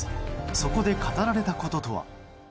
そこで語られたこととは。